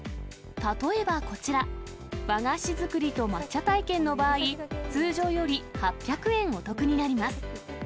例えばこちら、和菓子作りと抹茶体験の場合、通常より８００円お得になります。